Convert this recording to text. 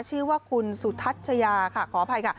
ชื่อว่าคุณสุทัชยาค่ะขออภัยค่ะ